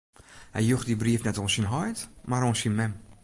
Hy joech dy brief net oan syn heit, mar oan syn mem.